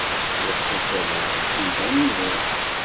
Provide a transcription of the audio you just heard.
La ssakaleɣ i yiman-inu.